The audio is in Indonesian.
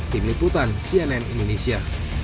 tim liputan cnn indonesia